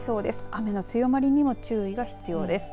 雨の強まりにも注意が必要です。